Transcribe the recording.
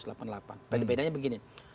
tapi bedanya begini